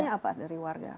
responnya apa dari warga